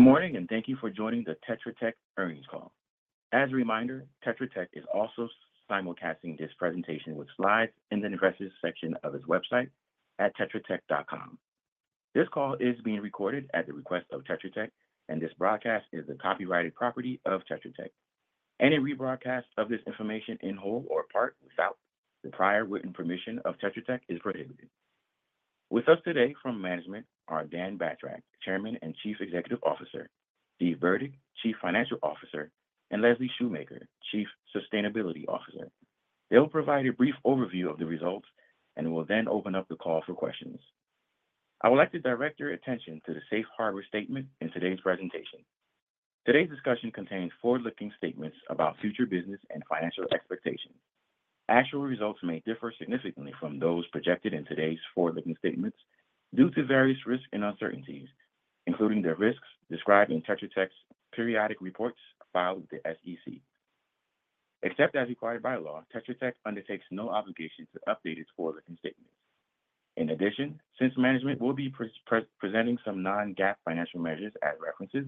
Good morning, and thank you for joining the Tetra Tech Earnings Call. As a reminder, Tetra Tech is also simulcasting this presentation with slides in the Investors section of its website at tetratech.com. This call is being recorded at the request of Tetra Tech, and this broadcast is the copyrighted property of Tetra Tech. Any rebroadcast of this information in whole or part without the prior written permission of Tetra Tech is prohibited. With us today from management are Dan Batrack, Chairman and Chief Executive Officer, Steve Burdick, Chief Financial Officer, and Leslie Shoemaker, Chief Sustainability Officer. They'll provide a brief overview of the results, and we'll then open up the call for questions. I would like to direct your attention to the safe harbor statement in today's presentation. Today's discussion contains forward-looking statements about future business and financial expectations. Actual results may differ significantly from those projected in today's forward-looking statements due to various risks and uncertainties, including the risks described in Tetra Tech's periodic reports filed with the SEC. Except as required by law, Tetra Tech undertakes no obligation to update its forward-looking statements. In addition, since management will be presenting some non-GAAP financial measures and references,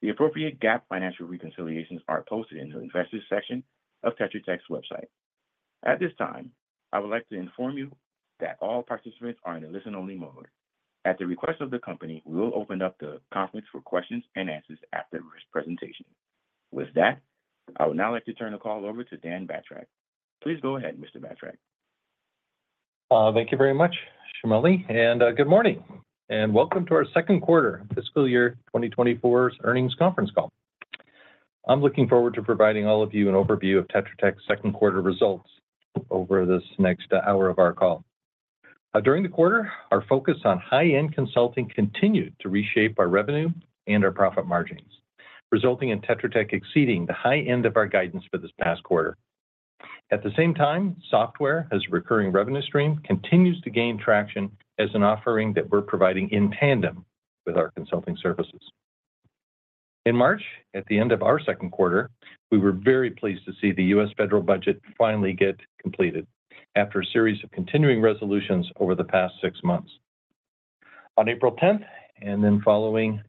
the appropriate GAAP financial reconciliations are posted in the Investors section of Tetra Tech's website. At this time, I would like to inform you that all participants are in a listen-only mode. At the request of the company, we will open up the conference for questions and answers after this presentation. With that, I would now like to turn the call over to Dan Batrack. Please go ahead, Mr. Batrack. Thank you very much, Shamali, and good morning, and welcome to our Second Quarter Fiscal Year 2024's Earnings Conference Call. I'm looking forward to providing all of you an overview of Tetra Tech's second quarter results over this next hour of our call. During the quarter, our focus on high-end consulting continued to reshape our revenue and our profit margins, resulting in Tetra Tech exceeding the high end of our guidance for this past quarter. At the same time, software, as a recurring revenue stream, continues to gain traction as an offering that we're providing in tandem with our consulting services. In March, at the end of our second quarter, we were very pleased to see the U.S. federal budget finally get completed after a series of continuing resolutions over the past six months. On April tenth, and then following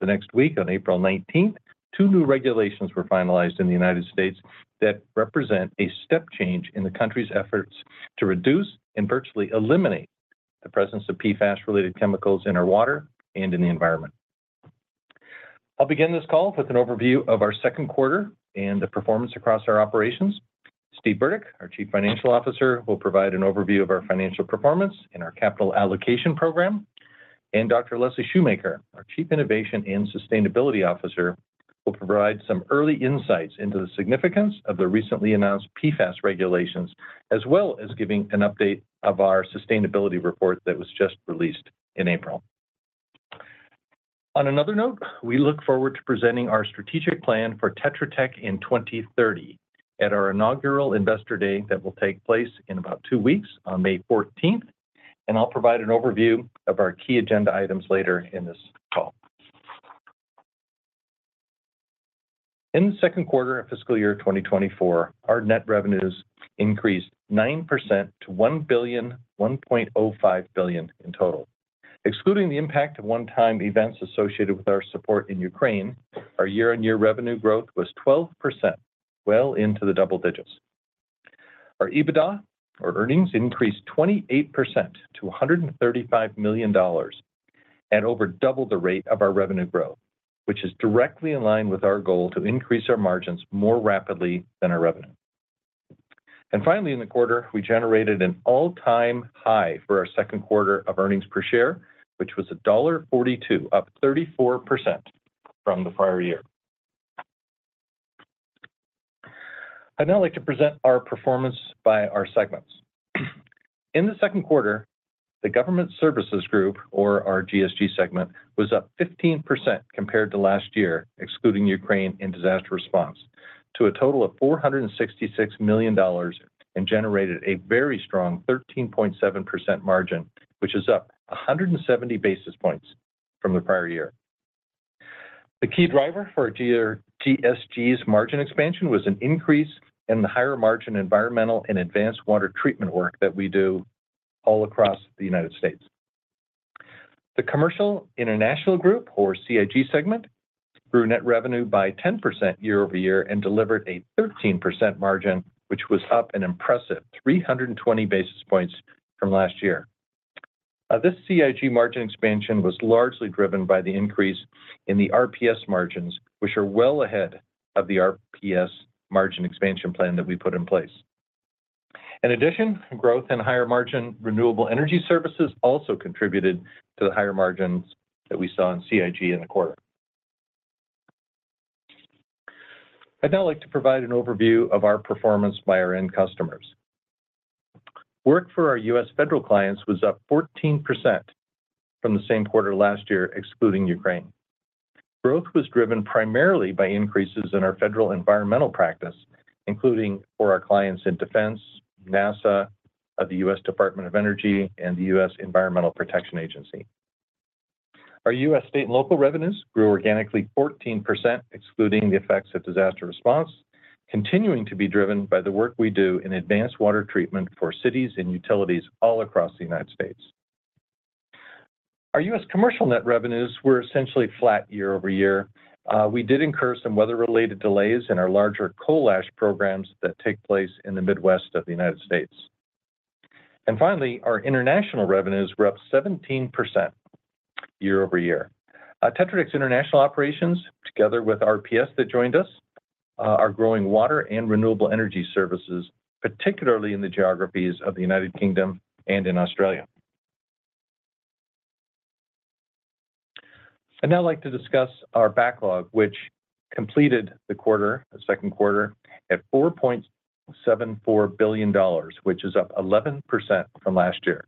the next week on April 19th, two new regulations were finalized in the United States. that represent a step change in the country's efforts to reduce and virtually eliminate the presence of PFAS-related chemicals in our water and in the environment. I'll begin this call with an overview of our second quarter and the performance across our operations. Steve Burdick, our Chief Financial Officer, will provide an overview of our financial performance and our capital allocation program. Dr. Leslie Shoemaker, our Chief Innovation and Sustainability Officer, will provide some early insights into the significance of the recently announced PFAS regulations, as well as giving an update of our sustainability report that was just released in April. On another note, we look forward to presenting our strategic plan for Tetra Tech in 2030 at our inaugural Investor Day that will take place in about two weeks on May 14th, and I'll provide an overview of our key agenda items later in this call. In the second quarter of fiscal year 2024, our net revenues increased 9% to $1.05 billion in total. Excluding the impact of one-time events associated with our support in Ukraine, our year-on-year revenue growth was 12%, well into the double digits. Our EBITDA, our earnings increased 28% to $135 million at over double the rate of our revenue growth, which is directly in line with our goal to increase our margins more rapidly than our revenue. Finally, in the quarter, we generated an all-time high for our second quarter of earnings per share, which was $1.42, up 34% from the prior year. I'd now like to present our performance by our segments. In the second quarter, the Government Services Group, or our GSG segment, was up 15% compared to last year, excluding Ukraine and disaster response, to a total of $466 million and generated a very strong 13.7% margin, which is up 170 basis points from the prior year. The key driver for our GSG's margin expansion was an increase in the higher-margin environmental and advanced water treatment work that we do all across the United States. The Commercial International Group, or CIG segment, grew net revenue by 10% year-over-year and delivered a 13% margin, which was up an impressive 320 basis points from last year. This CIG margin expansion was largely driven by the increase in the RPS margins, which are well ahead of the RPS margin expansion plan that we put in place. In addition, growth and higher margin renewable energy services also contributed to the higher margins that we saw in CIG in the quarter. I'd now like to provide an overview of our performance by our end customers. Work for our U.S. federal clients was up 14% from the same quarter last year, excluding Ukraine. Growth was driven primarily by increases in our federal environmental practice, including for our clients in Defense, NASA, of the U.S. Department of Energy, and the U.S. Environmental Protection Agency. Our U.S. state and local revenues grew organically 14%, excluding the effects of disaster response.... continuing to be driven by the work we do in advanced water treatment for cities and utilities all across the United States. Our U.S. commercial net revenues were essentially flat year-over-year. We did incur some weather-related delays in our larger coal ash programs that take place in the Midwest of the United States. Finally, our international revenues were up 17% year-over-year. Tetra Tech's international operations, together with RPS that joined us, are growing water and renewable energy services, particularly in the geographies of the United Kingdom and in Australia. I'd now like to discuss our backlog, which completed the quarter, the second quarter, at $4.74 billion, which is up 11% from last year.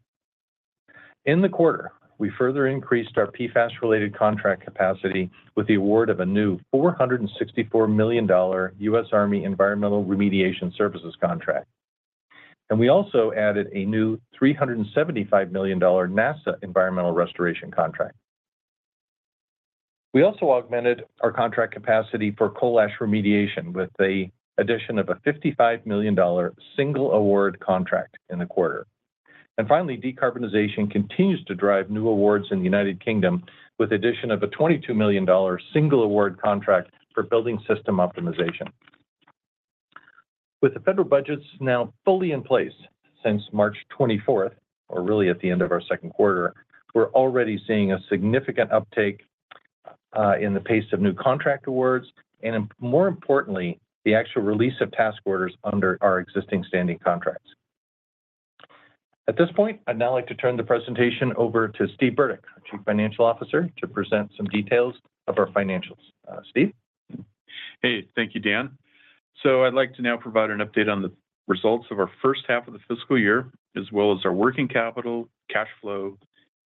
In the quarter, we further increased our PFAS-related contract capacity with the award of a new $464 million U.S. Army Environmental Remediation Services contract. We also added a new $375 million NASA Environmental Restoration Contract. We also augmented our contract capacity for coal ash remediation with the addition of a $55 million single award contract in the quarter. Finally, decarbonization continues to drive new awards in the United Kingdom, with the addition of a $22 million single award contract for building system optimization. With the federal budgets now fully in place since March 24th, or really at the end of our second quarter, we're already seeing a significant uptake in the pace of new contract awards, and more importantly, the actual release of task orders under our existing standing contracts. At this point, I'd now like to turn the presentation over to Steve Burdick, our Chief Financial Officer, to present some details of our financials. Steve? Hey, thank you, Dan. So I'd like to now provide an update on the results of our first half of the fiscal year, as well as our working capital, cash flow,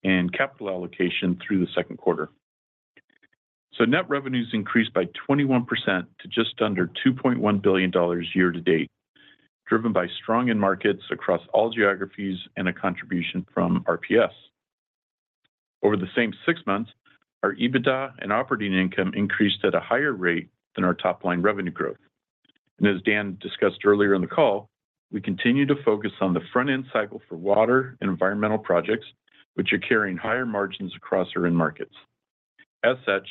and capital allocation through the second quarter. So net revenues increased by 21% to just under $2.1 billion year to date, driven by strong end markets across all geographies and a contribution from RPS. Over the same six months, our EBITDA and operating income increased at a higher rate than our top-line revenue growth. And as Dan discussed earlier in the call, we continue to focus on the front-end cycle for water and environmental projects, which are carrying higher margins across our end markets. As such,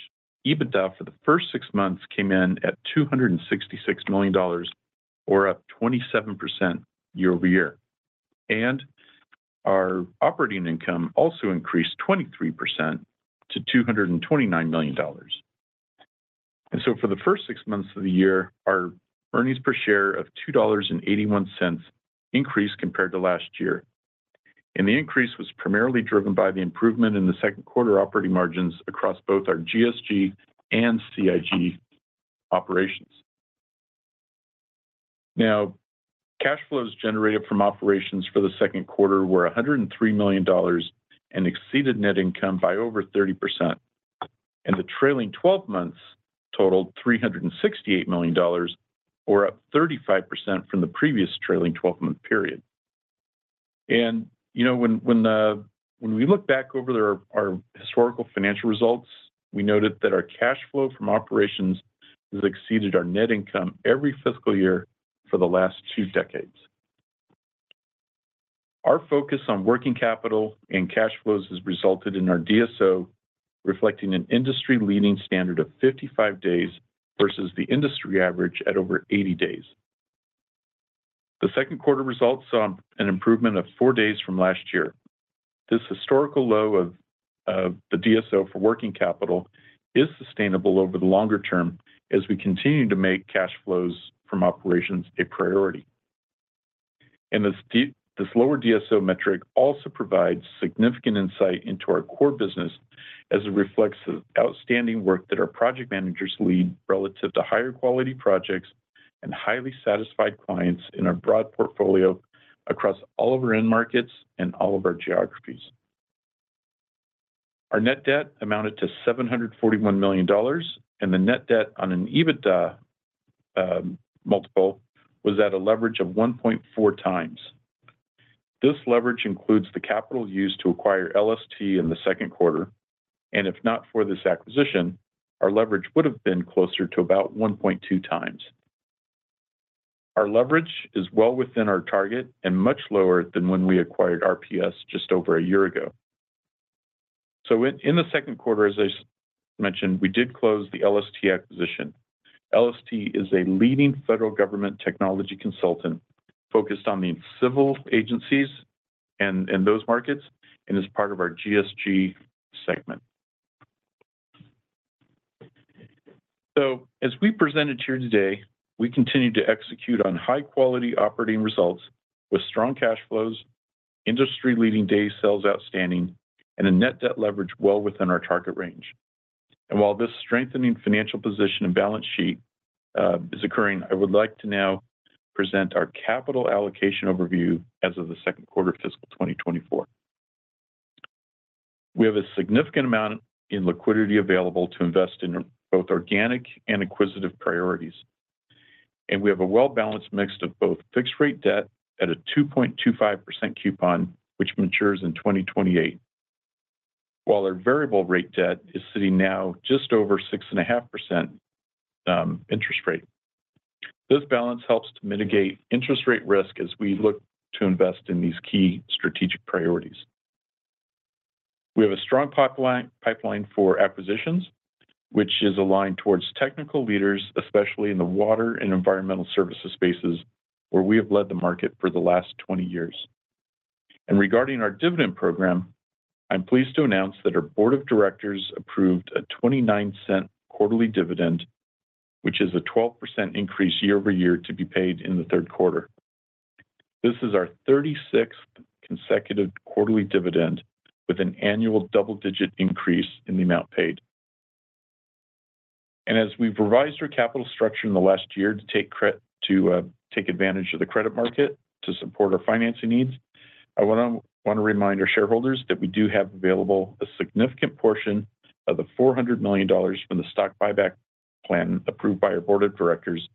EBITDA for the first six months came in at $266 million, or up 27% year-over-year, and our operating income also increased 23% to $229 million. For the first six months of the year, our earnings per share of $2.81 increased compared to last year. The increase was primarily driven by the improvement in the second quarter operating margins across both our GSG and CIG operations. Now, cash flows generated from operations for the second quarter were $103 million and exceeded net income by over 30%, and the trailing twelve months totaled $368 million, or up 35% from the previous trailing twelve-month period. You know, when we look back over our historical financial results, we noted that our cash flow from operations has exceeded our net income every fiscal year for the last two decades. Our focus on working capital and cash flows has resulted in our DSO reflecting an industry-leading standard of 55 days versus the industry average at over 80 days. The second quarter results saw an improvement of four days from last year. This historical low of the DSO for working capital is sustainable over the longer term as we continue to make cash flows from operations a priority. This lower DSO metric also provides significant insight into our core business as it reflects the outstanding work that our project managers lead relative to higher quality projects and highly satisfied clients in our broad portfolio across all of our end markets and all of our geographies. Our net debt amounted to $741 million, and the net debt on an EBITDA multiple was at a leverage of 1.4x. This leverage includes the capital used to acquire LST in the second quarter, and if not for this acquisition, our leverage would have been closer to about 1.2x. Our leverage is well within our target and much lower than when we acquired RPS just over a year ago. In the second quarter, as I mentioned, we did close the LST acquisition. LST is a leading federal government technology consultant focused on the civil agencies and those markets, and is part of our GSG segment. So as we presented here today, we continue to execute on high-quality operating results with strong cash flows, industry-leading days sales outstanding, and a net debt leverage well within our target range. While this strengthening financial position and balance sheet is occurring, I would like to now present our capital allocation overview as of the second quarter, fiscal 2024. We have a significant amount in liquidity available to invest in both organic and acquisitive priorities, and we have a well-balanced mix of both fixed-rate debt at a 2.25% coupon, which matures in 2028. While our variable rate debt is sitting now just over 6.5%, interest rate. This balance helps to mitigate interest rate risk as we look to invest in these key strategic priorities. We have a strong pipeline, pipeline for acquisitions, which is aligned towards technical leaders, especially in the water and environmental services spaces, where we have led the market for the last 20 years. Regarding our dividend program, I'm pleased to announce that our board of directors approved a $0.29 quarterly dividend, which is a 12% increase year-over-year, to be paid in the third quarter. This is our 36th consecutive quarterly dividend, with an annual double-digit increase in the amount paid. As we've revised our capital structure in the last year to take credit to take advantage of the credit market to support our financing needs, I wanna remind our shareholders that we do have available a significant portion of the $400 million from the stock buyback plan, approved by our board of directors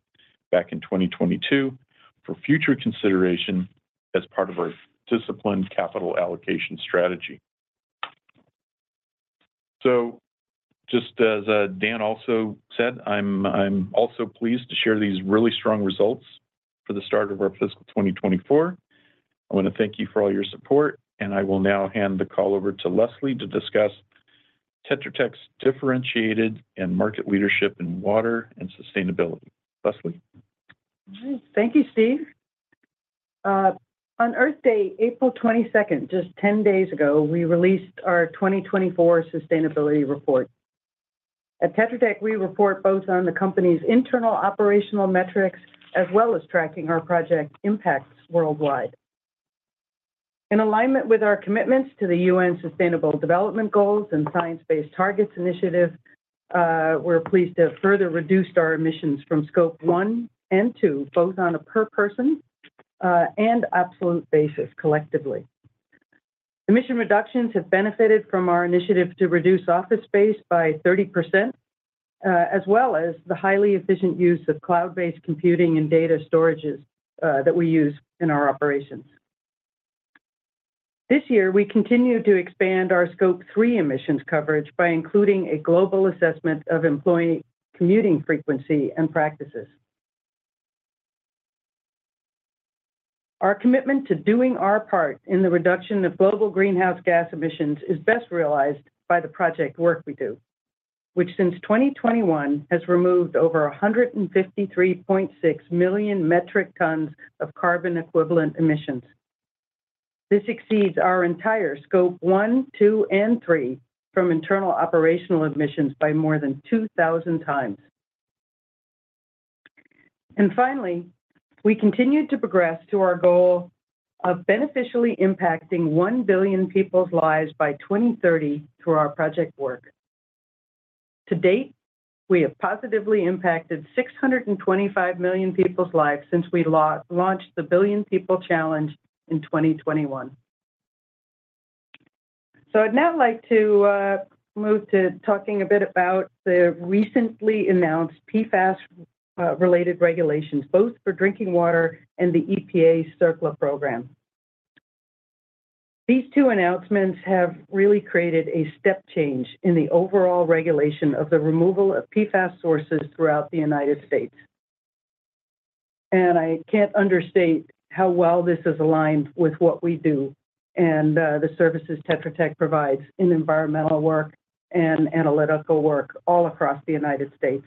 back in 2022, for future consideration as part of our disciplined capital allocation strategy. Just as Dan also said, I'm also pleased to share these really strong results for the start of our fiscal 2024. I wanna thank you for all your support, and I will now hand the call over to Leslie to discuss Tetra Tech's differentiated and market leadership in water and sustainability. Leslie? Thank you, Steve. On Earth Day, April 22nd, just 10 days ago, we released our 2024 sustainability report. At Tetra Tech, we report both on the company's internal operational metrics, as well as tracking our project impacts worldwide. In alignment with our commitments to the UN Sustainable Development Goals and Science Based Targets initiative, we're pleased to have further reduced our emissions from scope 1 and 2, both on a per person and absolute basis, collectively. Emission reductions have benefited from our initiative to reduce office space by 30%, as well as the highly efficient use of cloud-based computing and data storage that we use in our operations. This year, we continued to expand our scope 3 emissions coverage by including a global assessment of employee commuting frequency and practices. Our commitment to doing our part in the reduction of global greenhouse gas emissions is best realized by the project work we do, which, since 2021, has removed over 153.6 million metric tons of carbon equivalent emissions. This exceeds our entire scope 1, 2, and 3 from internal operational emissions by more than 2,000 times. And finally, we continued to progress to our goal of beneficially impacting one billion people's lives by 2030 through our project work. To date, we have positively impacted 625 million people's lives since we launched the Billion People Challenge in 2021. So I'd now like to move to talking a bit about the recently announced PFAS related regulations, both for drinking water and the EPA CERCLA program. These two announcements have really created a step change in the overall regulation of the removal of PFAS sources throughout the United States. I can't understate how well this is aligned with what we do and, the services Tetra Tech provides in environmental work and analytical work all across the United States.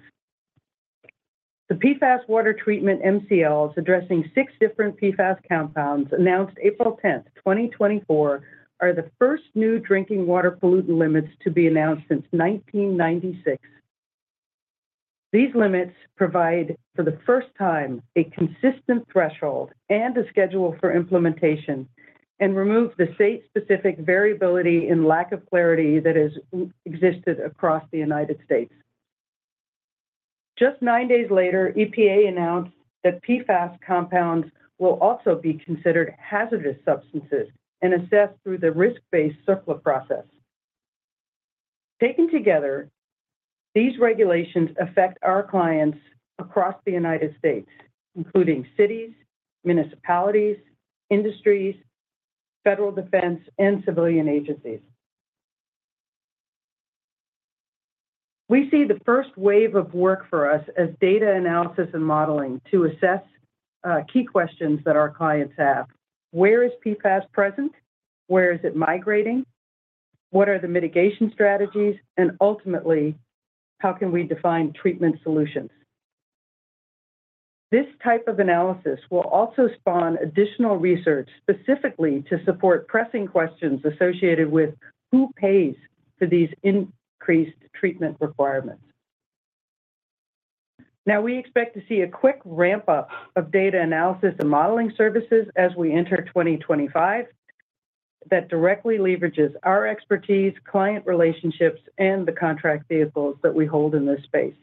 The PFAS Water Treatment MCLs, addressing six different PFAS compounds, announced April 10, 2024, are the first new drinking water pollutant limits to be announced since 1996. These limits provide, for the first time, a consistent threshold and a schedule for implementation, and remove the state-specific variability and lack of clarity that has existed across the United States. Just nine days later, EPA announced that PFAS compounds will also be considered hazardous substances and assessed through the risk-based CERCLA process. Taken together, these regulations affect our clients across the United States, including cities, municipalities, industries, federal defense, and civilian agencies. We see the first wave of work for us as data analysis and modeling to assess key questions that our clients have. Where is PFAS present? Where is it migrating? What are the mitigation strategies? And ultimately, how can we define treatment solutions? This type of analysis will also spawn additional research, specifically to support pressing questions associated with: who pays for these increased treatment requirements? Now, we expect to see a quick ramp-up of data analysis and modeling services as we enter 2025, that directly leverages our expertise, client relationships, and the contract vehicles that we hold in this space.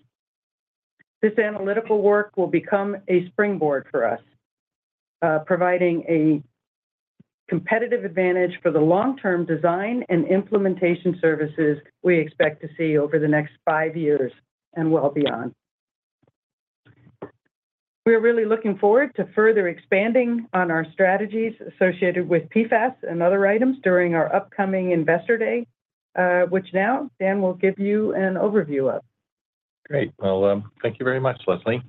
This analytical work will become a springboard for us, providing a competitive advantage for the long-term design and implementation services we expect to see over the next five years and well beyond. We're really looking forward to further expanding on our strategies associated with PFAS and other items during our upcoming Investor Day, which now Dan will give you an overview of. Great. Well, thank you very much, Leslie.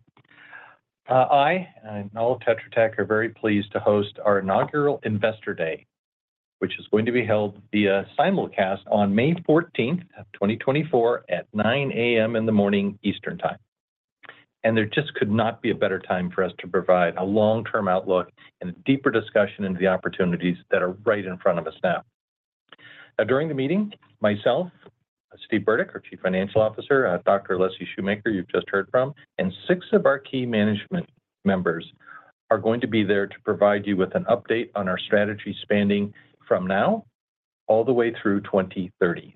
I and all of Tetra Tech are very pleased to host our inaugural Investor Day, which is going to be held via simulcast on May 14, 2024, at 9 A.M. Eastern Time. There just could not be a better time for us to provide a long-term outlook and a deeper discussion into the opportunities that are right in front of us now. Now, during the meeting, myself, Steve Burdick, our Chief Financial Officer, Dr. Leslie Shoemaker, you've just heard from, and six of our key management members are going to be there to provide you with an update on our strategy spanning from now all the way through 2030.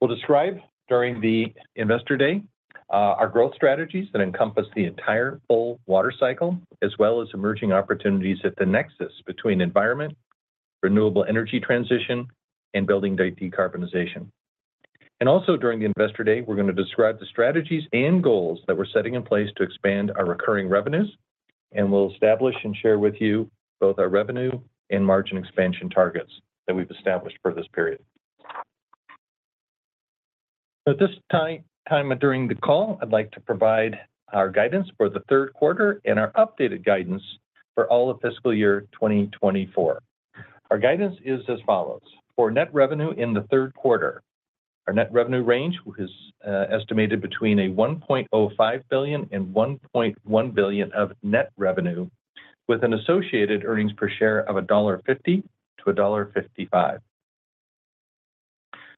We'll describe during the Investor Day, our growth strategies that encompass the entire full water cycle, as well as emerging opportunities at the nexus between environment, renewable energy transition, and building decarbonization. Also during the Investor Day, we're going to describe the strategies and goals that we're setting in place to expand our recurring revenues, and we'll establish and share with you both our revenue and margin expansion targets that we've established for this period. At this time during the call, I'd like to provide our guidance for the third quarter and our updated guidance for all of fiscal year 2024. Our guidance is as follows: For net revenue in the third quarter, our net revenue range is estimated between $1.05 billion and $1.1 billion of net revenue, with an associated earnings per share of $1.50-$1.55.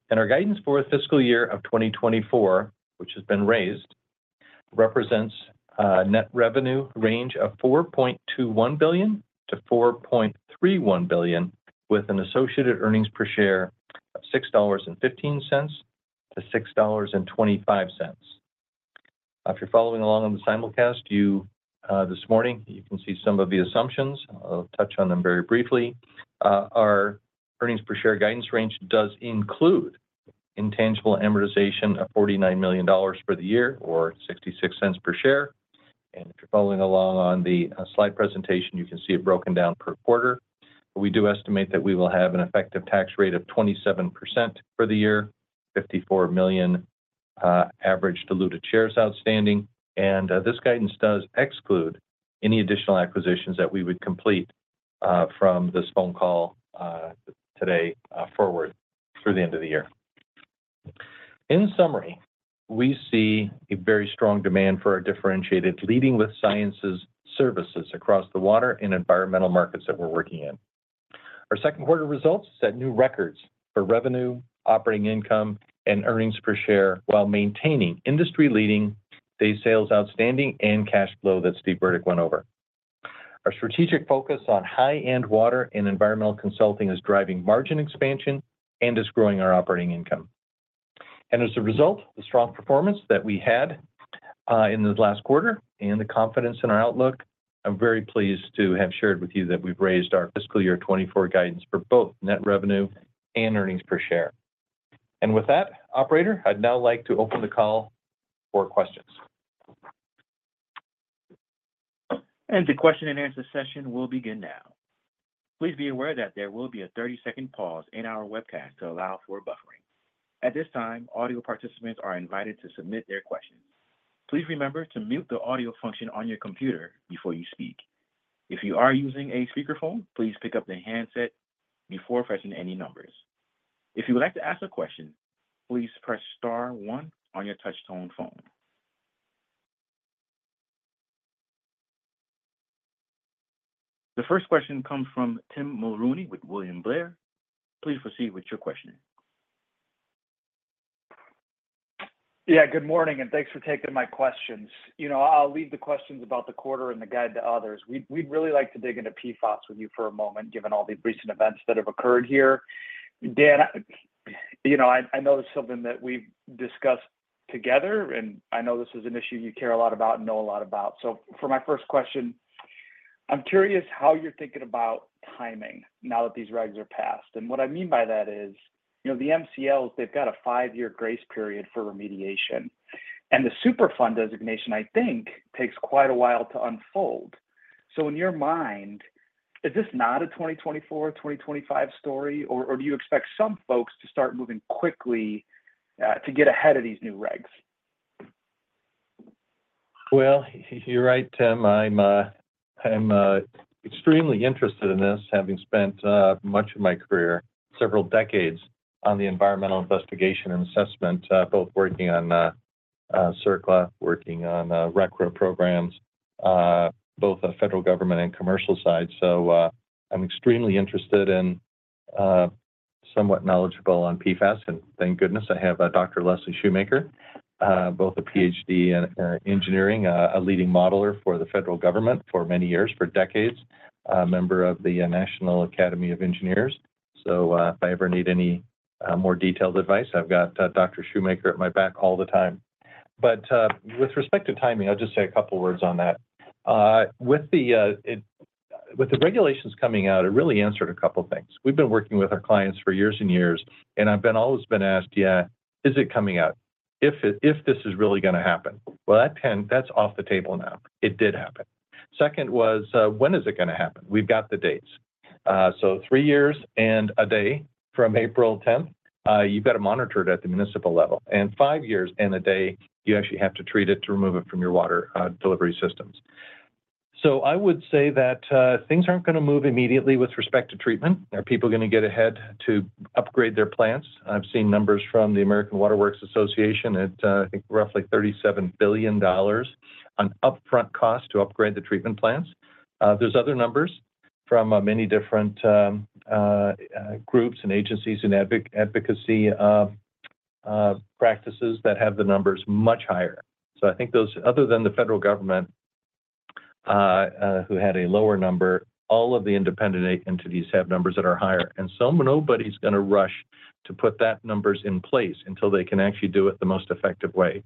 And our guidance for a fiscal year of 2024, which has been raised, represents a net revenue range of $4.21 billion-$4.31 billion, with an associated earnings per share of $6.15-$6.25. If you're following along on the simulcast, you this morning, you can see some of the assumptions. I'll touch on them very briefly. Our earnings per share guidance range does include intangible amortization of $49 million for the year or $0.66 per share. And if you're following along on the slide presentation, you can see it broken down per quarter. We do estimate that we will have an effective tax rate of 27% for the year, 54 million average diluted shares outstanding. This guidance does exclude any additional acquisitions that we would complete from this phone call today forward through the end of the year. In summary, we see a very strong demand for our differentiated Leading with Science services across the water and environmental markets that we're working in. Our second quarter results set new records for revenue, operating income, and earnings per share, while maintaining industry-leading days sales outstanding and cash flow that Steve Burdick went over. Our strategic focus on high-end water and environmental consulting is driving margin expansion and is growing our operating income. As a result, the strong performance that we had in the last quarter and the confidence in our outlook, I'm very pleased to have shared with you that we've raised our fiscal year 2024 guidance for both net revenue and earnings per share. With that, operator, I'd now like to open the call for questions. The question and answer session will begin now. Please be aware that there will be a 30 second pause in our webcast to allow for buffering. At this time, audio participants are invited to submit their questions. Please remember to mute the audio function on your computer before you speak. If you are using a speakerphone, please pick up the handset before pressing any numbers. If you would like to ask a question, please press star one on your touch tone phone. The first question comes from Tim Mulrooney with William Blair. Please proceed with your question. Yeah, good morning, and thanks for taking my questions. You know, I'll leave the questions about the quarter and the guide to others. We'd, we'd really like to dig into PFAS with you for a moment, given all the recent events that have occurred here. Dan, you know, I, I know this is something that we've discussed together, and I know this is an issue you care a lot about and know a lot about. So for my first question, I'm curious how you're thinking about timing now that these regs are passed. And what I mean by that is, you know, the MCLs, they've got a five-year grace period for remediation, and the Superfund designation, I think, takes quite a while to unfold. So in your mind, is this not a 2024, 2025 story, or, or do you expect some folks to start moving quickly to get ahead of these new regs? Well, you're right, Tim. I'm extremely interested in this, having spent much of my career, several decades on the environmental investigation and assessment, both working on CERCLA, working on RCRA programs, both the federal government and commercial side. So, I'm extremely interested in, somewhat knowledgeable on PFAS, and thank goodness I have a Dr. Leslie Shoemaker, both a PhD in engineering, a leading modeler for the federal government for many years, for decades, a member of the National Academy of Engineers. So, if I ever need any more detailed advice, I've got Dr. Shoemaker at my back all the time. But, with respect to timing, I'll just say a couple of words on that. With the regulations coming out, it really answered a couple things. We've been working with our clients for years and years, and I've always been asked, "Yeah, is it coming out? If it, if this is really gonna happen?" Well, that's off the table now. It did happen. Second was, when is it gonna happen? We've got the dates. So three years and a day from April tenth, you've got to monitor it at the municipal level, and five years and a day, you actually have to treat it to remove it from your water delivery systems. So I would say that things aren't gonna move immediately with respect to treatment. Are people gonna get ahead to upgrade their plants? I've seen numbers from the American Water Works Association at, I think roughly $37 billion, an upfront cost to upgrade the treatment plants. There's other numbers from many different groups and agencies and advocacy practices that have the numbers much higher. So I think those, other than the federal government, who had a lower number, all of the independent entities have numbers that are higher. And so nobody's gonna rush to put that numbers in place until they can actually do it the most effective way.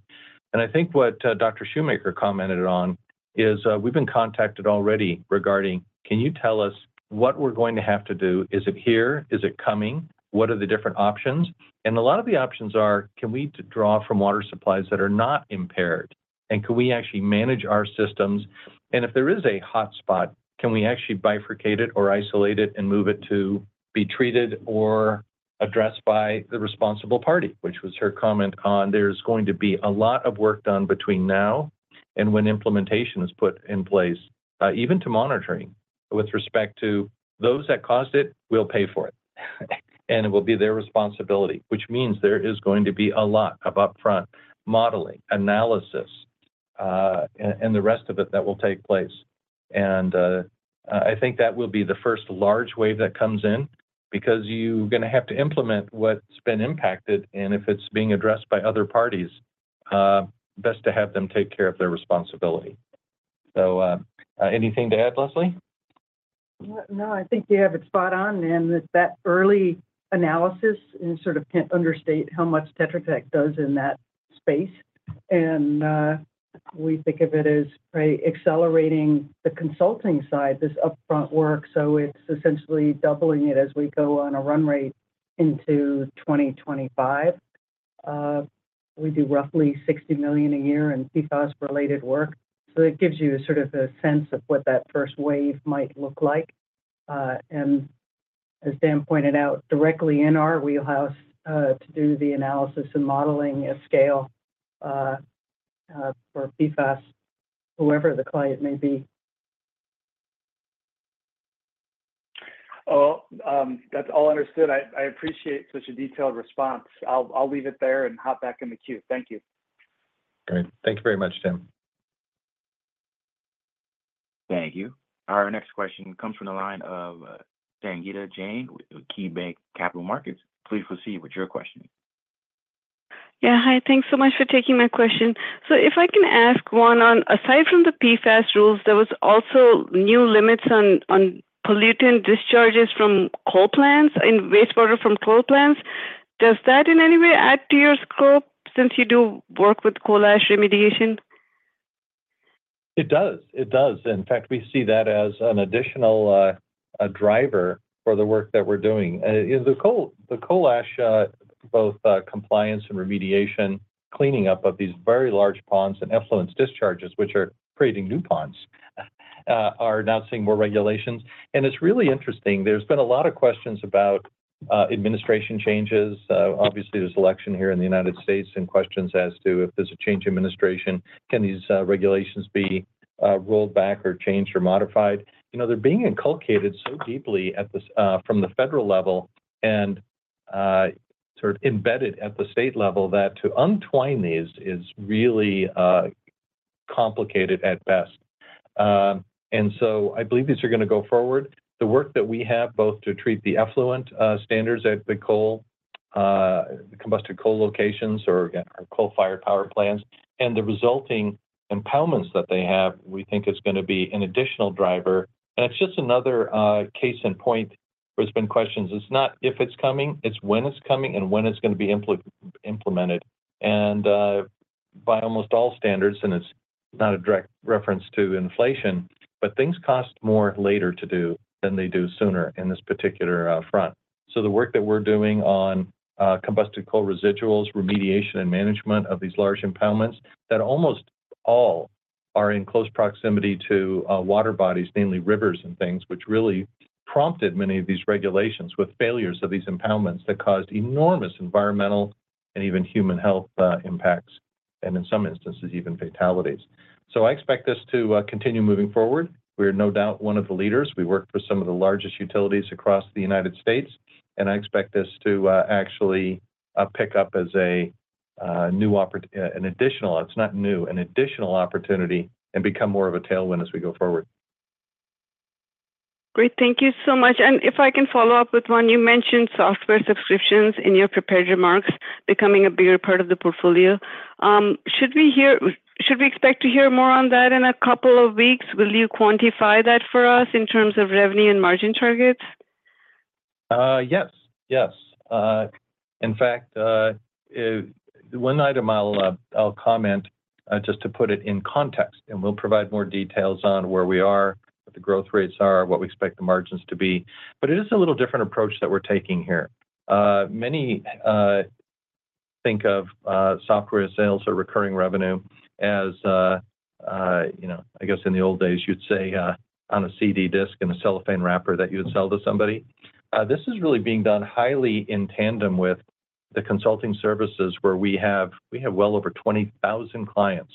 And I think what Dr. Shoemaker commented on is, we've been contacted already regarding, "Can you tell us what we're going to have to do? Is it here? Is it coming? What are the different options?" And a lot of the options are, can we draw from water supplies that are not impaired? And can we actually manage our systems? If there is a hotspot, can we actually bifurcate it or isolate it and move it to be treated or addressed by the responsible party, which was her comment on there's going to be a lot of work done between now and when implementation is put in place, even to monitoring, with respect to those that caused it will pay for it, and it will be their responsibility. Which means there is going to be a lot of upfront modeling, analysis, and the rest of it that will take place. I think that will be the first large wave that comes in because you're gonna have to implement what's been impacted, and if it's being addressed by other parties, best to have them take care of their responsibility. Anything to add, Leslie? No, I think you have it spot on, and that early analysis and sort of can't understate how much Tetra Tech does in that space. And, we think of it as accelerating the consulting side, this upfront work, so it's essentially doubling it as we go on a run rate into 2025. We do roughly $60 million a year in PFAS-related work, so it gives you sort of a sense of what that first wave might look like. And as Dan pointed out, directly in our wheelhouse, to do the analysis and modeling of scale, for PFAS, whoever the client may be. Oh, that's all understood. I, I appreciate such a detailed response. I'll, I'll leave it there and hop back in the queue. Thank you. Great. Thank you very much, Tim. Thank you. Our next question comes from the line of Sangita Jain with KeyBanc Capital Markets. Please proceed with your question. Yeah, hi, thanks so much for taking my question. So if I can ask one on, aside from the PFAS rules, there was also new limits on pollutant discharges from coal plants and wastewater from coal plants. Does that in any way add to your scope since you do work with coal ash remediation? It does. It does. In fact, we see that as an additional driver for the work that we're doing. The coal, the coal ash, both compliance and remediation, cleaning up of these very large ponds and effluent discharges, which are creating new ponds, are now seeing more regulations. It's really interesting. There's been a lot of questions about administration changes. Obviously, there's election here in the United Sates and questions as to if there's a change in administration, can these regulations be rolled back or changed or modified? You know, they're being inculcated so deeply at the from the federal level and sort of embedded at the state level, that to untwine these is really complicated at best. So I believe these are gonna go forward. The work that we have, both to treat the effluent standards at the coal combusted coal locations or coal-fired power plants and the resulting impoundments that they have, we think is gonna be an additional driver. And it's just another case in point, there's been questions. It's not if it's coming, it's when it's coming and when it's gonna be implemented. And by almost all standards, and it's not a direct reference to inflation, but things cost more later to do than they do sooner in this particular front. So the work that we're doing on coal combustion residuals, remediation, and management of these large impoundments, that almost all are in close proximity to water bodies, mainly rivers and things, which really prompted many of these regulations with failures of these impoundments that caused enormous environmental and even human health impacts, and in some instances, even fatalities. So I expect this to continue moving forward. We're no doubt one of the leaders. We work for some of the largest utilities across the United States, and I expect this to actually pick up as an additional it's not new an additional opportunity and become more of a tailwind as we go forward. Great. Thank you so much. And if I can follow up with one, you mentioned software subscriptions in your prepared remarks becoming a bigger part of the portfolio. Should we expect to hear more on that in a couple of weeks? Will you quantify that for us in terms of revenue and margin targets? Yes, yes. In fact, one item I'll, I'll comment just to put it in context, and we'll provide more details on where we are, what the growth rates are, what we expect the margins to be. But it is a little different approach that we're taking here. Many think of software sales or recurring revenue as, you know, I guess in the old days, you'd say on a CD disc in a cellophane wrapper that you would sell to somebody. This is really being done highly in tandem with the consulting services where we have well over 20,000 clients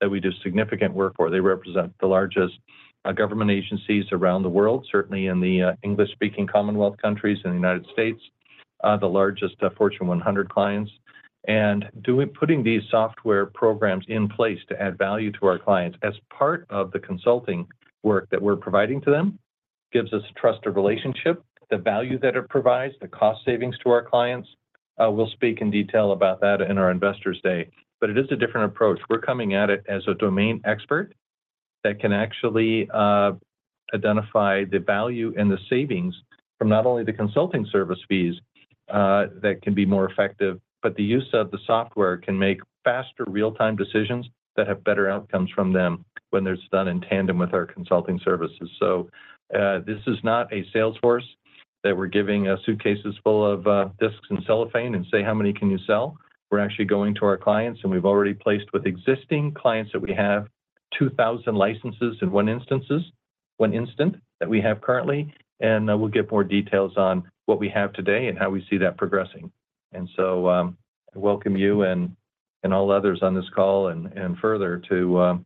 that we do significant work for. They represent the largest government agencies around the world, certainly in the English-speaking Commonwealth countries in the United States, the largest of Fortune 100 clients. And putting these software programs in place to add value to our clients as part of the consulting work that we're providing to them gives us a trusted relationship, the value that it provides, the cost savings to our clients. We'll speak in detail about that in our Investors' Day, but it is a different approach. We're coming at it as a domain expert that can actually identify the value and the savings from not only the consulting service fees that can be more effective, but the use of the software can make faster real-time decisions that have better outcomes from them when it's done in tandem with our consulting services. So, this is not a sales force that we're giving suitcases full of disks and cellophane and say, "How many can you sell?" We're actually going to our clients, and we've already placed with existing clients that we have 2,000 licenses in one instances, one instant, that we have currently. And we'll get more details on what we have today and how we see that progressing. And so, I welcome you and all others on this call and further to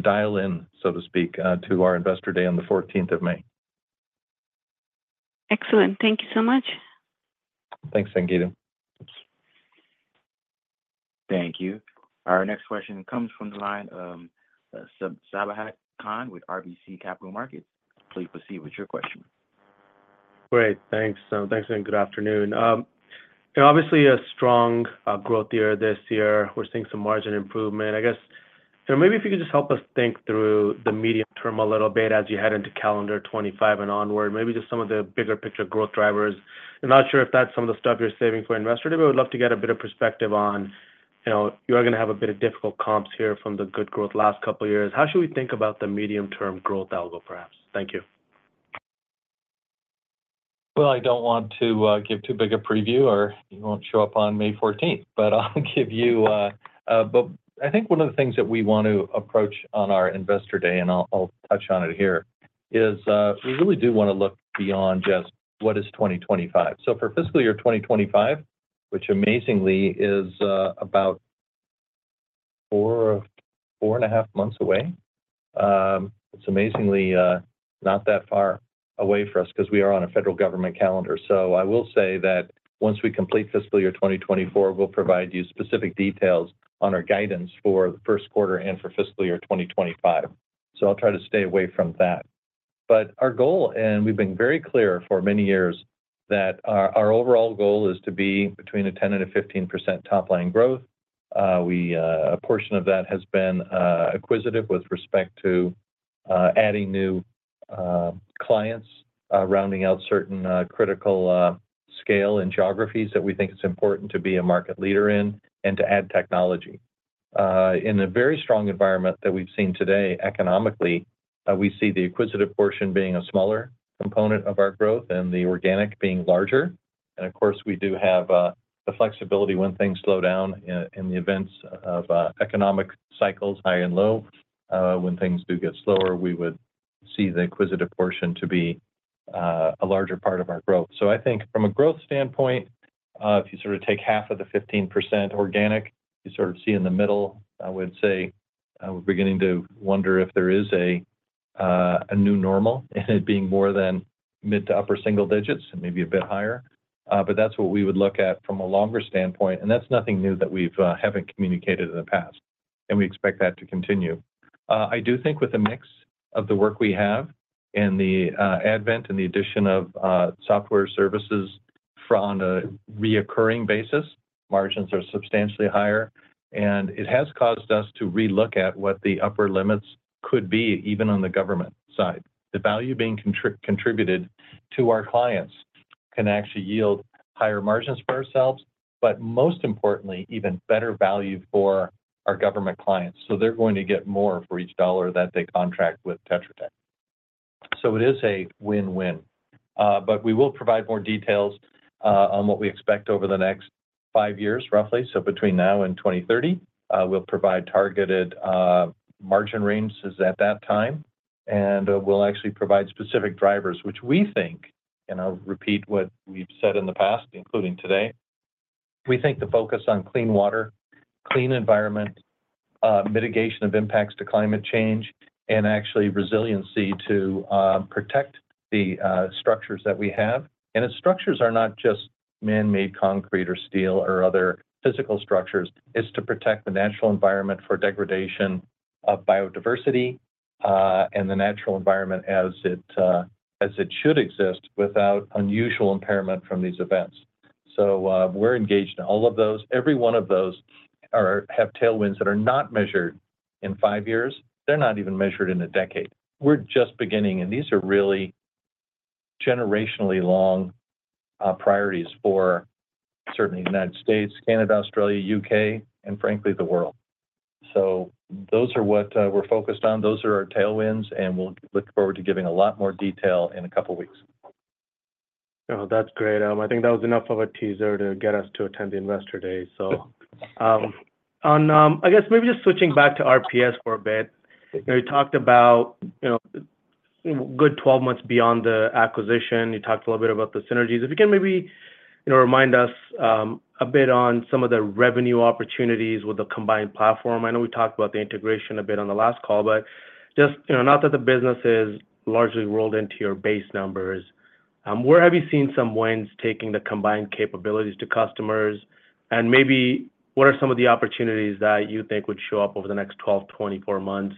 dial in, so to speak, to our Investor Day on the 14th of May. Excellent. Thank you so much. Thanks, Sangita. Thank you. Our next question comes from the line, Sabahat Khan with RBC Capital Markets. Please proceed with your question. Great, thanks. So thanks, and good afternoon. Obviously a strong growth year this year. We're seeing some margin improvement. I guess, so maybe if you could just help us think through the medium term a little bit as you head into calendar 2025 and onward, maybe just some of the bigger picture growth drivers. I'm not sure if that's some of the stuff you're saving for Investor Day, but I would love to get a bit of perspective on... You know, you are gonna have a bit of difficult comps here from the good growth last couple of years. How should we think about the medium-term growth outlook, perhaps? Thank you. Well, I don't want to give too big a preview or it won't show up on May 14th, but I'll give you... But I think one of the things that we want to approach on our Investor Day, and I'll touch on it here, is we really do want to look beyond just what is 2025. So for fiscal year 2025, which amazingly is about 4 and a half months away, it's amazingly not that far away for us because we are on a federal government calendar. So I will say that once we complete fiscal year 2024, we'll provide you specific details on our guidance for the first quarter and for fiscal year 2025. So I'll try to stay away from that. But our goal, and we've been very clear for many years, that our overall goal is to be between 10% and 15% top-line growth. We, a portion of that has been acquisitive with respect to adding new clients, rounding out certain critical scale and geographies that we think it's important to be a market leader in and to add technology. In a very strong environment that we've seen today, economically, we see the acquisitive portion being a smaller component of our growth and the organic being larger. And of course, we do have the flexibility when things slow down in the events of economic cycles, high and low. When things do get slower, we would see the acquisitive portion to be a larger part of our growth. So I think from a growth standpoint, if you sort of take half of the 15% organic, you sort of see in the middle, I would say, we're beginning to wonder if there is a new normal, it being more than mid- to upper-single digits and maybe a bit higher. But that's what we would look at from a longer standpoint, and that's nothing new that we haven't communicated in the past, and we expect that to continue. I do think with the mix of the work we have and the advent and the addition of software services from a recurring basis, margins are substantially higher, and it has caused us to relook at what the upper limits could be, even on the government side. The value being contributed to our clients can actually yield higher margins for ourselves, but most importantly, even better value for our government clients. So they're going to get more for each dollar that they contract with Tetra Tech. So it is a win-win, but we will provide more details on what we expect over the next five years, roughly. So between now and 2030, we'll provide targeted margin ranges at that time, and we'll actually provide specific drivers, which we think, and I'll repeat what we've said in the past, including today, we think the focus on clean water, clean environment, mitigation of impacts to climate change, and actually resiliency to protect the structures that we have. And the structures are not just man-made concrete or steel or other physical structures. It's to protect the natural environment for degradation of biodiversity, and the natural environment as it, as it should exist without unusual impairment from these events. So, we're engaged in all of those. Every one of those are, have tailwinds that are not measured in five years. They're not even measured in a decade. We're just beginning, and these are really generationally long, priorities for certainly the United States, Canada, Australia, U.K., and frankly, the world. So those are what, we're focused on. Those are our tailwinds, and we'll look forward to giving a lot more detail in a couple of weeks. Oh, that's great. I think that was enough of a teaser to get us to attend the Investor Day. So, on, I guess maybe just switching back to RPS for a bit. You know, you talked about, you know, good 12 months beyond the acquisition. You talked a little bit about the synergies. If you can maybe, you know, remind us, a bit on some of the revenue opportunities with the combined platform. I know we talked about the integration a bit on the last call, but just, you know, now that the business is largely rolled into your base numbers, where have you seen some wins taking the combined capabilities to customers? Maybe what are some of the opportunities that you think would show up over the next 12, 24 months,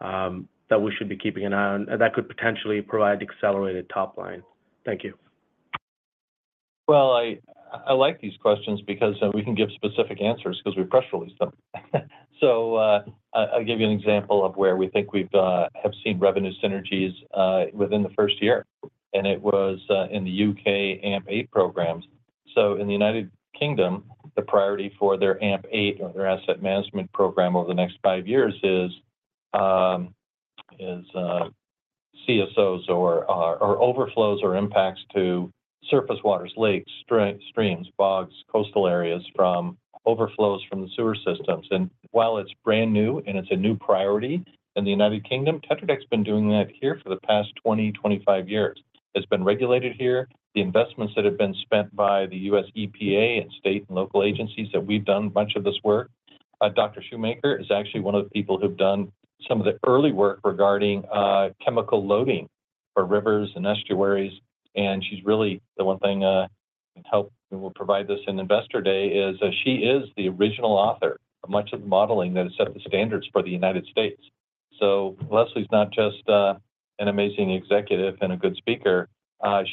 that we should be keeping an eye on, that could potentially provide accelerated top line? Thank you. Well, I like these questions because we can give specific answers because we press released them. So, I’ll give you an example of where we think we’ve have seen revenue synergies within the first year, and it was in the U.K. AMP8 programs. So in the United Kingdom, the priority for their AMP8 or their asset management program over the next five years is CSOs or overflows or impacts to surface waters, lakes, streams, bogs, coastal areas from overflows from the sewer systems. And while it’s brand new and it’s a new priority in the United Kingdom, Tetra Tech’s been doing that here for the past 20-25 years. It’s been regulated here. The investments that have been spent by the U.S. EPA and state and local agencies, that we’ve done much of this work. Dr. Shoemaker is actually one of the people who've done some of the early work regarding chemical loading for rivers and estuaries, and she's really the one thing that helped, and we'll provide this in Investor Day, is she is the original author of much of the modeling that has set the standards for the United States. So Leslie is not just an amazing executive and a good speaker,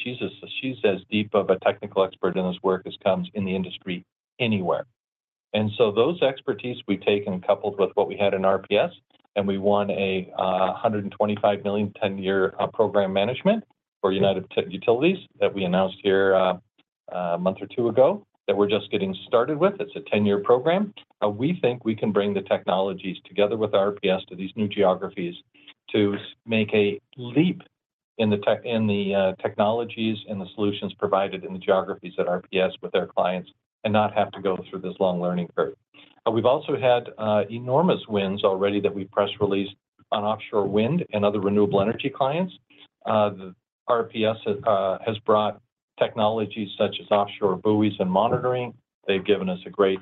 she's as deep of a technical expert in this work as comes in the industry anywhere. And so those expertise we've taken, coupled with what we had in RPS, and we won a $125 million, 10-year program management for United Utilities that we announced here a month or two ago, that we're just getting started with. It's a 10-year program. We think we can bring the technologies together with RPS to these new geographies to make a leap in the technologies and the solutions provided in the geographies at RPS with their clients and not have to go through this long learning curve. We've also had enormous wins already that we press released on offshore wind and other renewable energy clients. The RPS has brought technologies such as offshore buoys and monitoring. They've given us a great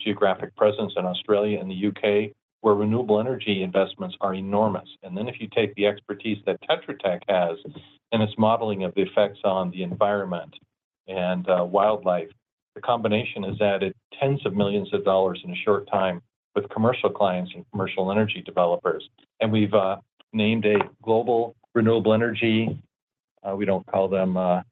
geographic presence in Australia and the U.K., where renewable energy investments are enormous. And then if you take the expertise that Tetra Tech has and its modeling of the effects on the environment and wildlife, the combination has added $ tens of millions in a short time with commercial clients and commercial energy developers. And we've named a global renewable energy, we don't call them, I'll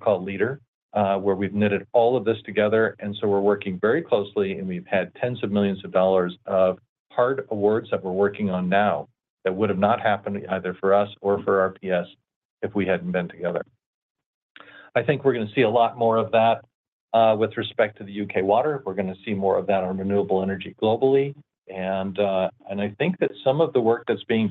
call leader, where we've knitted all of this together, and so we're working very closely, and we've had tens of millions of dollars of hard awards that we're working on now that would have not happened either for us or for RPS if we hadn't been together. I think we're going to see a lot more of that, with respect to the U.K. water. We're going to see more of that on renewable energy globally, and I think that some of the work that's being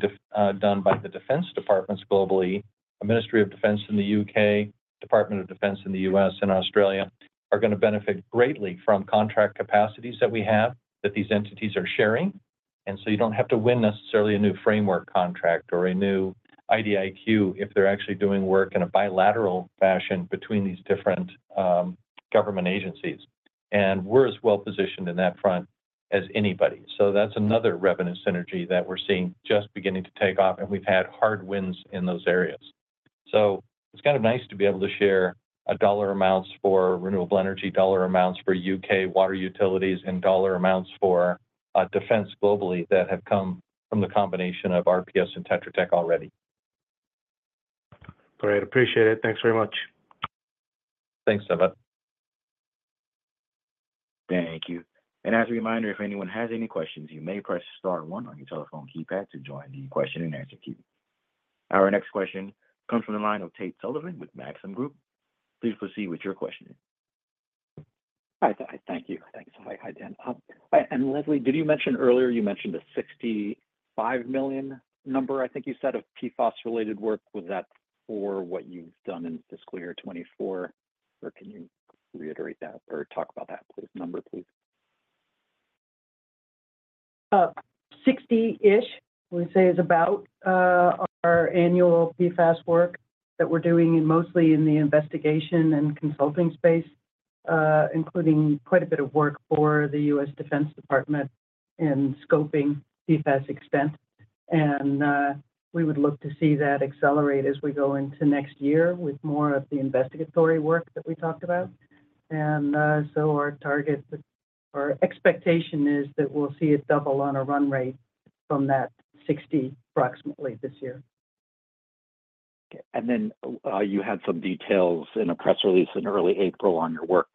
done by the defense departments globally, the Ministry of Defence in the U.K., Department of Defense in the U.S. and Australia, are going to benefit greatly from contract capacities that we have, that these entities are sharing. And so you don't have to win necessarily a new framework contract or a new IDIQ if they're actually doing work in a bilateral fashion between these different, government agencies. And we're as well positioned in that front as anybody. So that's another revenue synergy that we're seeing just beginning to take off, and we've had hard wins in those areas. So it's kind of nice to be able to share dollar amounts for renewable energy, dollar amounts for U.K. water utilities, and dollar amounts for defense globally that have come from the combination of RPS and Tetra Tech already. Great. Appreciate it. Thanks very much. Thanks, Sabahat. Thank you. As a reminder, if anyone has any questions, you may press star one on your telephone keypad to join the question and answer queue. Our next question comes from the line of Tate Sullivan with Maxim Group. Please proceed with your question. Hi, thank you. Thanks. Hi, Dan. And, Leslie, did you mention earlier, you mentioned a $65 million number, I think you said, of PFAS-related work? Was that for what you've done in fiscal year 2024, or can you reiterate that or talk about that please, number, please? 60-ish, we say, is about our annual PFAS work that we're doing, mostly in the investigation and consulting space, including quite a bit of work for the U.S. Department of Defense in scoping PFAS extent. And we would look to see that accelerate as we go into next year with more of the investigatory work that we talked about. And, so our target, our expectation is that we'll see it double on a run rate from that 60 approximately this year. And then, you had some details in a press release in early April on your work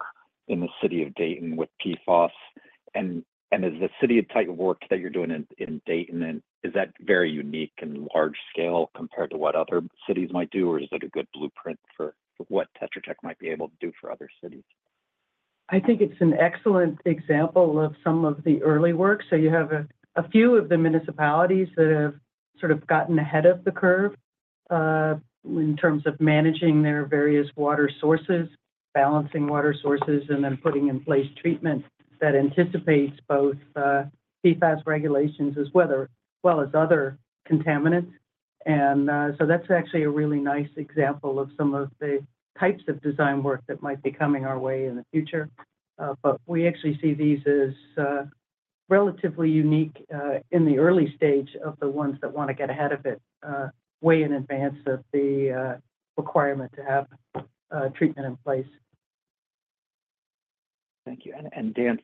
in the city of Dayton with PFAS. Is the type of work that you're doing in Dayton very unique and large scale compared to what other cities might do? Or is it a good blueprint for what Tetra Tech might be able to do for other cities? I think it's an excellent example of some of the early work. So you have a few of the municipalities that have sort of gotten ahead of the curve in terms of managing their various water sources, balancing water sources, and then putting in place treatment that anticipates both PFAS regulations as well as other contaminants. So that's actually a really nice example of some of the types of design work that might be coming our way in the future. But we actually see these as relatively unique in the early stage of the ones that wanna get ahead of it way in advance of the requirement to have treatment in place. Thank you. And Dan,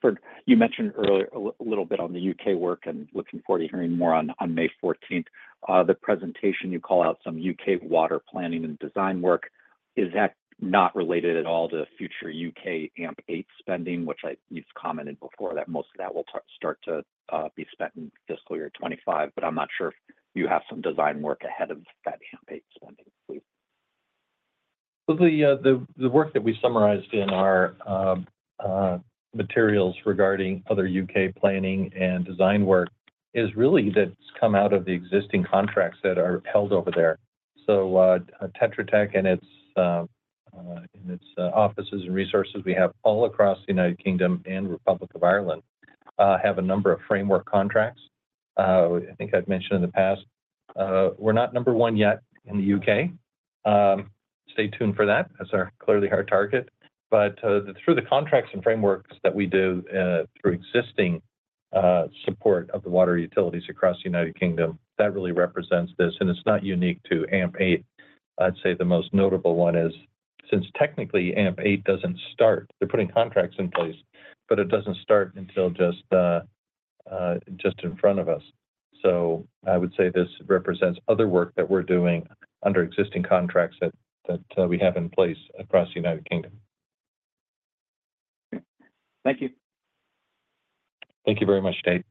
you mentioned earlier a little bit on the U.K. work, and looking forward to hearing more on May fourteenth. The presentation, you call out some U.K. water planning and design work. Is that not related at all to future U.K. AMP8 spending, which you've commented before, that most of that will start to be spent in fiscal year 2025, but I'm not sure if you have some design work ahead of that AMP8 spending, please? Well, the work that we summarized in our materials regarding other U.K. planning and design work is really that's come out of the existing contracts that are held over there. So, Tetra Tech and its offices and resources we have all across the United Kingdom and Republic of Ireland have a number of framework contracts. I think I've mentioned in the past, we're not number one yet in the U.K. Stay tuned for that. That's clearly our target. But, through the contracts and frameworks that we do, through existing support of the water utilities across the United Kingdom, that really represents this, and it's not unique to AMP8. I'd say the most notable one is, since technically, AMP8 doesn't start, they're putting contracts in place, but it doesn't start until just in front of us. So I would say this represents other work that we're doing under existing contracts that we have in place across the United Kingdom. Thank you. Thank you very much, Tate.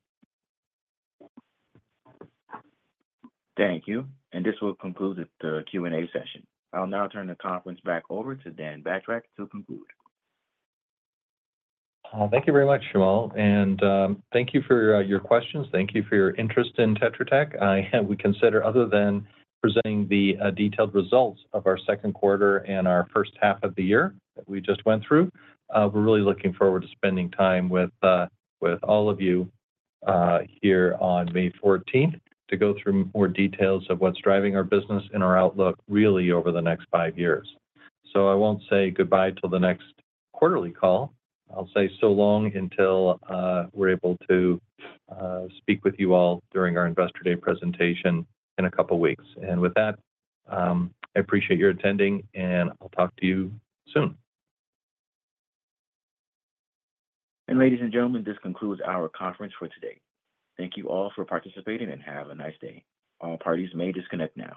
Thank you, and this will conclude the Q&A session. I'll now turn the conference back over to Dan Batrack to conclude. Thank you very much, Jamal, and thank you for your questions. Thank you for your interest in Tetra Tech. We consider, other than presenting the detailed results of our second quarter and our first half of the year that we just went through, we're really looking forward to spending time with all of you here on May 14th, to go through more details of what's driving our business and our outlook really over the next five years. So I won't say goodbye till the next quarterly call. I'll say so long until we're able to speak with you all during our Investor Day presentation in a couple of weeks. And with that, I appreciate you attending, and I'll talk to you soon. Ladies and gentlemen, this concludes our conference for today. Thank you all for participating, and have a nice day. All parties may disconnect now.